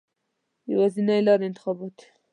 یوازینۍ لاره انتخابات دي.